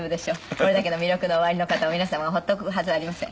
これだけの魅力のおありの方を皆様がほっとくはずありません。